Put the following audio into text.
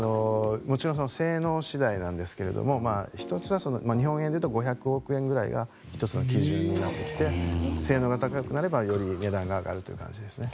もちろん性能次第なんですが日本円でいうと５００億円ぐらいが１つの基準になってきて性能が高くなれば、より値段が上がるという感じですね。